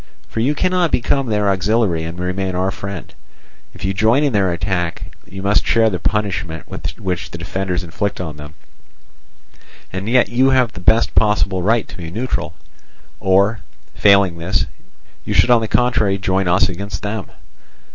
For you cannot become their auxiliary and remain our friend; if you join in their attack, you must share the punishment which the defenders inflict on them. And yet you have the best possible right to be neutral, or, failing this, you should on the contrary join us against them.